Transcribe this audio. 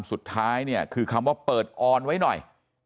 สุดท้ายเนี่ยคือคำว่าเปิดออนไว้หน่อย